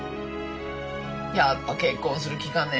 やっぱ結婚する気かね？